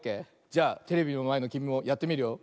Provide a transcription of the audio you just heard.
じゃあテレビのまえのきみもやってみるよ。